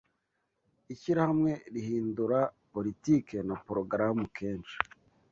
Ishirahamwe rihindura politike na porogaramu kenshi